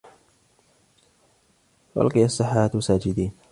فألقي السحرة ساجدين